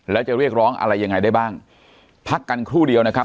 แล้วจะเรียกร้องอะไรยังไงได้บ้างพักกันครู่เดียวนะครับ